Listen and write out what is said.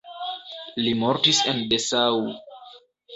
Li mortis en Dessau.